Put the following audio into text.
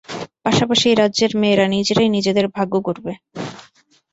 পাশাপাশি, এ রাজ্যের মেয়েরা নিজেরাই নিজেদের ভাগ্য গড়বে।